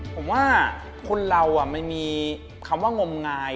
ผมว่าคนเรามันมีคำว่างมงาย